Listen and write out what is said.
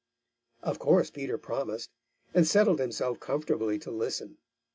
Of course Peter promised, and settled himself comfortably to listen.